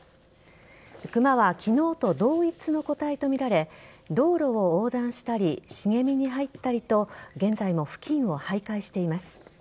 クマは昨日と同一の個体とみられ道路を横断したり茂みに入ったりと現在も付近を徘徊しています。